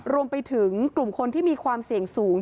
รวมไปถึงกลุ่มคนที่มีความเสี่ยงสูง